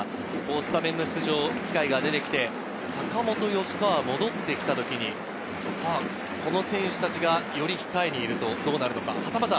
スタメンの出場機会が出てきて、坂本と吉川が戻ってきた時にこの選手たちが控えにいるとどうなるのか。